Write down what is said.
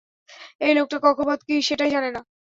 এই লোকটা কক্ষপথ কী সেটাই জানে না!